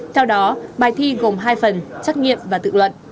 theo đó bài thi gồm hai phần trắc nghiệm và tự luận